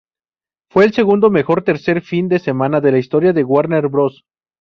Fue el segundo mejor tercer fin de semana de la historia de Warner Bros.